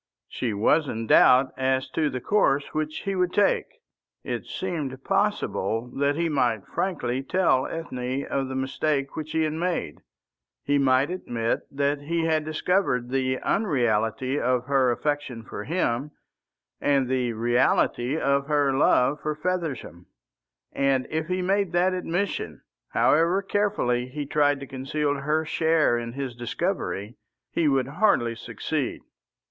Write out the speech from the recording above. She was in doubt as to the course which he would take. It seemed possible that he might frankly tell Ethne of the mistake which he had made. He might admit that he had discovered the unreality of her affection for him, and the reality of her love for Feversham; and if he made that admission, however carefully he tried to conceal her share in his discovery, he would hardly succeed.